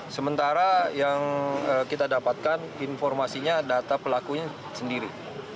sementara yang kita dapatkan informasinya data pelakunya sendiri